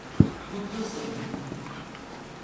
Mutlusun.